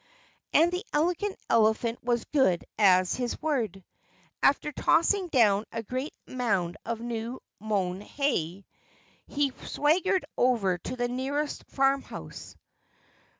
And the Elegant Elephant was good as his word. After tossing down a great mound of new mown hay, he swaggered over to the nearest farmhouse.